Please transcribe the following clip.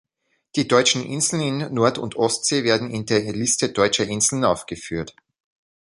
Die deutschen Inseln in Nord- und Ostsee werden in der Liste deutscher Inseln aufgeführt.